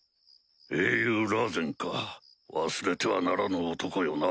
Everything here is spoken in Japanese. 英雄ラーゼンか忘れてはならぬ男よな。